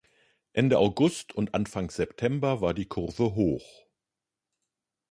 Ende August und Anfang September war die Kurve hoch.